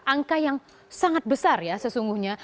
angka yang sangat besar ya sesungguhnya